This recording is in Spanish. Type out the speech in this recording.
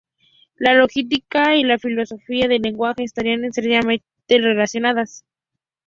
La lógica y la filosofía del lenguaje están estrechamente relacionadas.